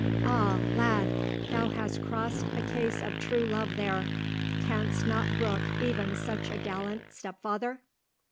Ah! lad, thou hast crossed a case of true love there! Canst not brook even such a gallant stepfather?"